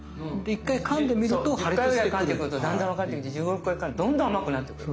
１０回ぐらいかんでくるとだんだんわかってきて１５１６回かんでどんどん甘くなってくる。